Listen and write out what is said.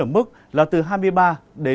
ở mức là từ hai mươi ba ba mươi ba độ